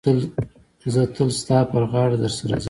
زه تل ستا پر غاړه در سره ځم.